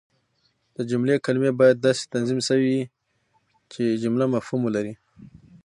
د جملې کلیمې باید داسي تنظیم سوي يي، چي جمله مفهوم ولري.